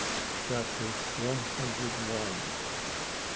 CHAPTER ONE HUNDRED ONE.